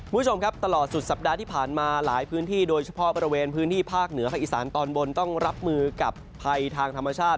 คุณผู้ชมครับตลอดสุดสัปดาห์ที่ผ่านมาหลายพื้นที่โดยเฉพาะบริเวณพื้นที่ภาคเหนือภาคอีสานตอนบนต้องรับมือกับภัยทางธรรมชาติ